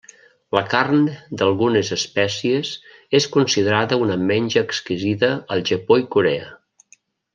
La carn d'algunes espècies és considerada una menja exquisida al Japó i Corea.